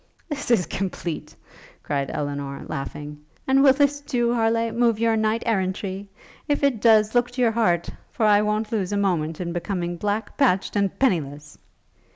'This is complete!' cried Elinor, laughing; 'and will this, too, Harleigh, move your knight errantry? If it does look to your heart! for I won't lose a moment in becoming black, patched, and pennyless!'